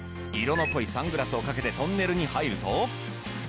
色の濃いサングラスをかけてトンネルに入ると。